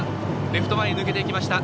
レフト前に抜けていきました。